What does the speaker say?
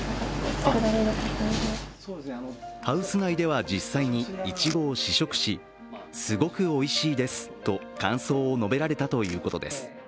ハウス内では実際にいちごを試食し、すごくおいしいですと感想を述べられたということです。